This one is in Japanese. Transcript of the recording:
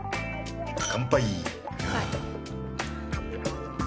乾杯！